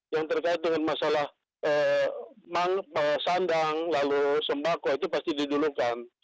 yang terkait dengan masalah sandang lalu sembako itu pasti didulukan